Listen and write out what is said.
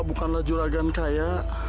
bukanlah juragan kaya